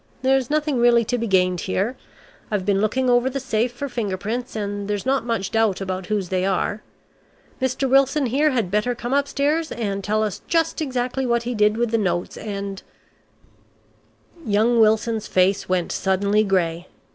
There's nothing really to be gained here. I have been looking over the safe for finger prints, and there's not much doubt about whose they are. Mr. Wilson here had better come upstairs and tell us just exactly what he did with the notes, and " Young Wilson's face went suddenly gray.